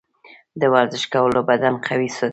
د ورزش کول بدن قوي ساتي.